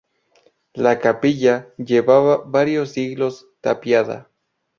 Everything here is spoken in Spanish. La capilla llevaba varios siglos tapiada.